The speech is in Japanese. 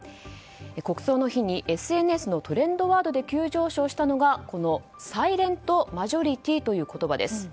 国葬の日にＳＮＳのトレンドワードで急上昇したのがこのサイレントマジョリティという言葉です。